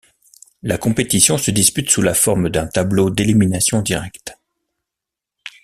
La compétition se dispute sur la forme d'un tableau d'élimination directe.